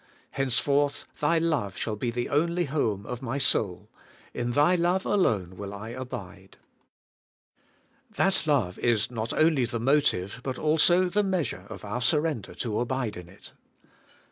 Henceforth Thy love shall be the only home of my soul : in Thy love alone will I abide. That love is not only the motive, but also the measure, of our surrender to abide in it.